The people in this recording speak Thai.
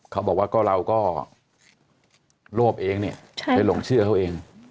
เขาบอกว่าก็เราก็รวบเองเนี่ยให้หลงเชื่อเขาเอง